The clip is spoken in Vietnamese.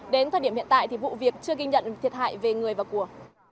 đến thời điểm hiện tại thì vụ việc chưa ghi nhận thiệt hại về người và của